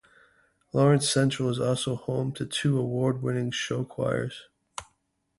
Lawrence Central is also home to two award-winning show choirs.